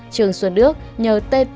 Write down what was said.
trương xuân đước nhờ tết